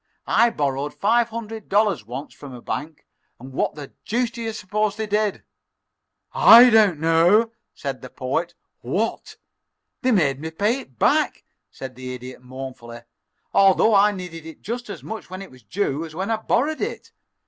I borrowed five hundred dollars once from a bank, and what the deuce do you suppose they did?" "I don't know," said the Poet. "What?" "They made me pay it back," said the Idiot, mournfully, "although I needed it just as much when it was due as when I borrowed it.